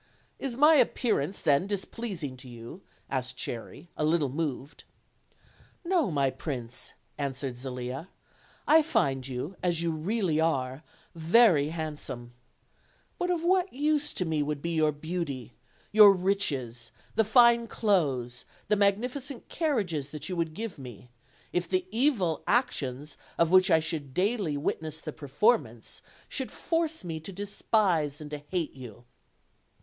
"Is my appearance then displeasing to you?" asked Cherry, a little moved. "No, my prince," answered Zelia; "I find you, as you really are, very handsome. But of what use to me would be your beauty, your riches, the fine clothes, the magnifi cent carriages that you would give me, if the evil actions of which I should daily witness the performance should force me to despise and to hate you?"